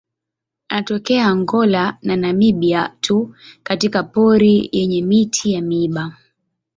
Anatokea Angola na Namibia tu katika pori yenye miti ya miiba.